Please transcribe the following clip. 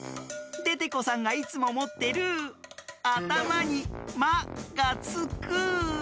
デテコさんがいつももってるあたまに「マ」がつく。